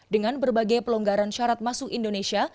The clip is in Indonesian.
dengan berbagai pelonggaran syarat masuk indonesia